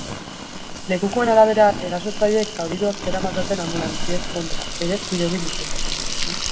Lekukoen arabera, erasotzaileek zaurituak zeramatzaten anbulantzien kontra ere tiro egin dute.